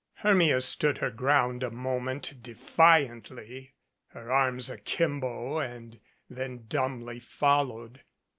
Hermia stood her ground a moment defiantly, her arms akimbo and then dumbly followed.